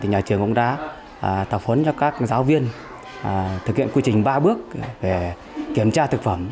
nhà trường cũng đã tập huấn cho các giáo viên thực hiện quy trình ba bước về kiểm tra thực phẩm